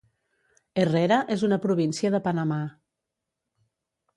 Herrera és una província de Panamà.